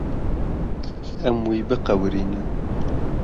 Em wî biqewirînin.